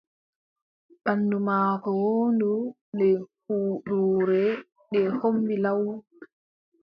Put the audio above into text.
Banndu maako woondu, nde huuduure ndee hommbi law.